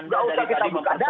nggak usah kita buka data